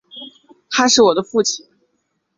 他是我父亲